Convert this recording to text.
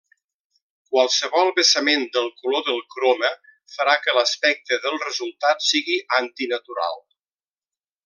Qualsevol vessament del color del croma farà que l'aspecte de resultat sigui antinatural.